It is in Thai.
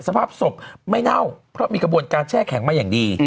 สภาพศพไม่เน่าเพราะมีกระบวนการแช่แข็งมาอย่างดี